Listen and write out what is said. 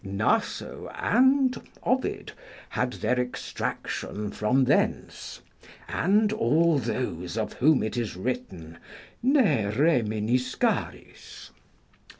Naso and Ovid had their extraction from thence, and all those of whom it is written, Ne reminiscaris.